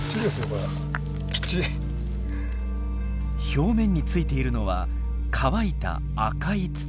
表面についているのは乾いた赤い土。